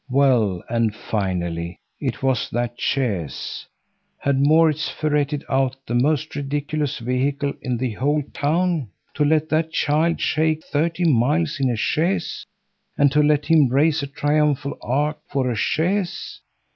—Well, and finally it was that chaise! Had Maurits ferreted out the most ridiculous vehicle in the whole town? To let that child shake thirty miles in a chaise, and to let him raise a triumphal arch for a chaise!